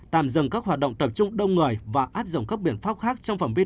tạm dừng các hoạt động tập trung đông người và áp dụng các biện pháp khác